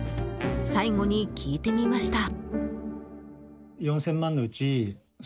最後に聞いてみました。